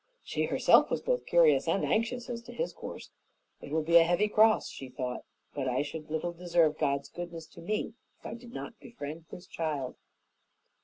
She herself was both curious and anxious as to his course. "It will be a heavy cross," she thought, "but I should little deserve God's goodness to me if I did not befriend this child."